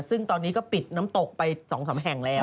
ซึ่งตอนนี้ก็ปิดน้ำตกไป๒๓แห่งแล้ว